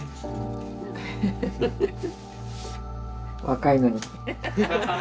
若いのに。